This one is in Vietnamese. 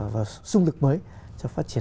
và xung lực mới